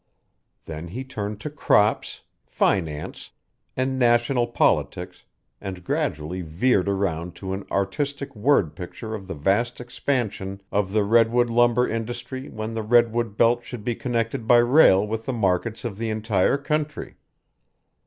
Then he turned to crops, finance, and national politics and gradually veered around to an artistic word picture of the vast expansion of the redwood lumber industry when the redwood belt should be connected by rail with the markets of the entire country.